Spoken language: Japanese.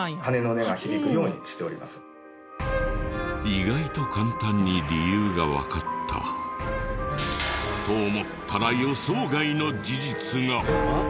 意外と簡単に理由がわかった。と思ったら予想外の事実が！